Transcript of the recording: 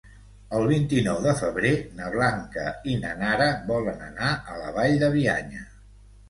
El vint-i-nou de febrer na Blanca i na Nara volen anar a la Vall de Bianya.